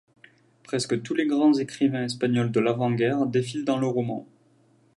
Presque tous les grands écrivains espagnols de l'avant-guerre défilent dans le roman.